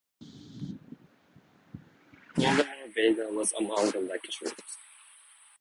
Voldemar Vaga was among the lecturers.